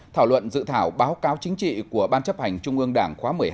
thảo luận dự thảo báo cáo chính trị của ban chấp hành trung ương đảng khóa một mươi hai